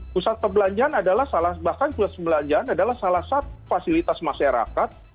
pusat perbelanjaan adalah salah bahkan pusat perbelanjaan adalah salah satu fasilitas masyarakat